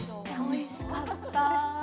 おいしかった。